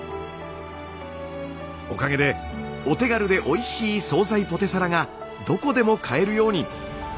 おかげでお手軽でおいしい総菜ポテサラがどこでも買えるように。